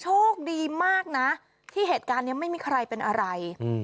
โชคดีมากนะที่เหตุการณ์นี้ไม่มีใครเป็นอะไร